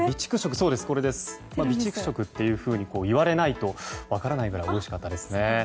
備蓄食と言われないと分からないぐらいおいしかったですね。